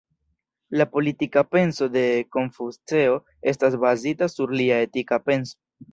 La politika penso de Konfuceo estas bazita sur lia etika penso.